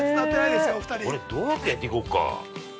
これ、どうやって焼いていこっか。